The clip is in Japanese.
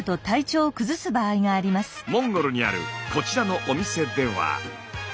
モンゴルにあるこちらのお店では。